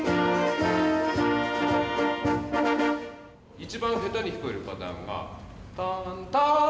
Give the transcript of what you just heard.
一番下手に聞こえるパターンがタンターン！